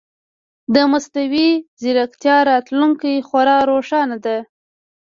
د مصنوعي ځیرکتیا راتلونکې خورا روښانه ده.